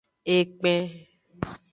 Ekpen.